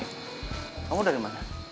kamu dari mana